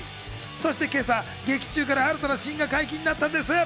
そして今朝、劇中から新たなシーンが解禁になったんです。